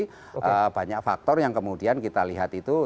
tapi banyak faktor yang kemudian kita lihat itu